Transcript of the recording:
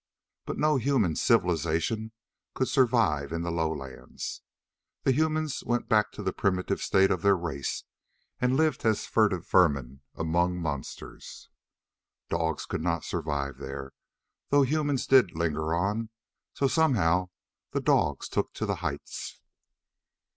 But no human civilization could survive in the lowlands. The humans went back to the primitive state of their race and lived as furtive vermin among monsters. Dogs could not survive there, though humans did linger on, so somehow the dogs took to the heights.